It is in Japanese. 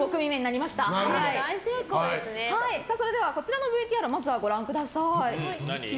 それでは、こちらのＶＴＲをまずはご覧ください。